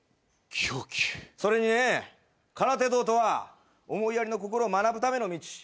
それにね空手道とは思いやりの心を学ぶための道。